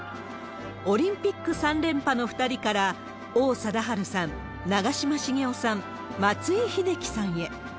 オリンピック３連覇の２人から、王貞治さん、長嶋茂雄さん、松井秀喜さんへ。